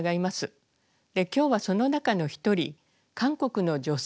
今日はその中の一人韓国の女性